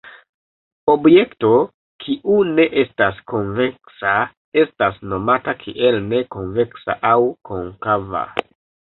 Objekto kiu ne estas konveksa estas nomata kiel ne konveksa aŭ konkava.